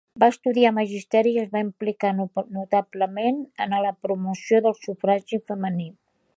Va estudiar magisteri i es va implicar notablement en la promoció del sufragi femení.